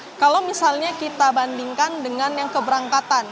nah kalau misalnya kita bandingkan dengan yang keberangkatan